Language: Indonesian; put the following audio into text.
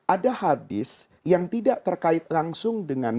ada hadis yang tidak terkait langsung dengan